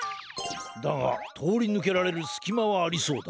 だがとおりぬけられるすきまはありそうだ。